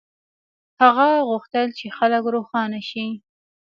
هغه غوښتل چې خلک روښانه شي.